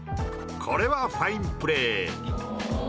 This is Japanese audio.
これはファインプレー。